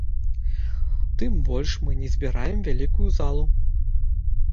Тым больш мы не збіраем вялікую залу.